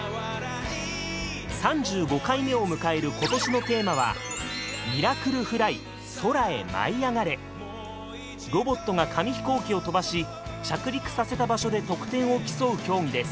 ３５回目を迎える今年のテーマはロボットが紙飛行機を飛ばし着陸させた場所で得点を競う競技です。